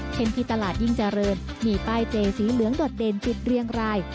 ที่ตลาดยิ่งเจริญมีป้ายเจสีเหลืองโดดเด่นปิดเรียงราย